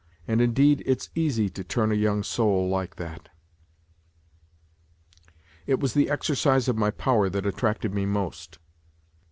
And indeed it's easy to turn a young soul like that ! It was the exercise of my power that attracted me most.